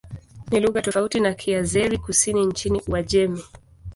Ni lugha tofauti na Kiazeri-Kusini nchini Uajemi.